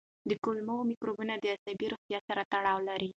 د کولمو مایکروبیوم د عصبي روغتیا سره تړاو لري.